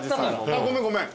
ごめんごめん。